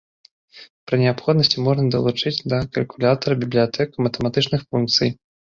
Пры неабходнасці можна далучыць да калькулятара бібліятэку матэматычных функцый.